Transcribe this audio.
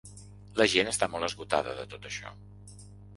La gent està molt esgotada de tot això.